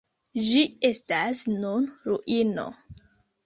Ĝi estas nun ruino.